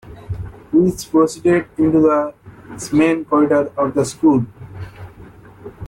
Weise proceeded into the main corridor of the school.